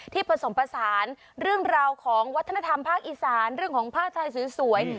ผสมผสานเรื่องราวของวัฒนธรรมภาคอีสานเรื่องของผ้าไทยสวย